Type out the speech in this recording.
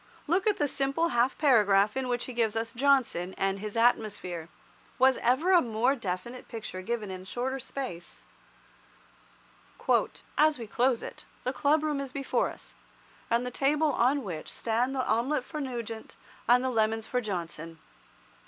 Look at the simple half paragraph in which he gives us Johnson and his atmosphere. Was ever a more definite picture given in a shorter space— "As we close it, the club room is before us, and the table on which stand the omelet for Nugent, and the lemons for Johnson.